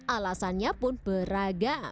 alasannya pun beragam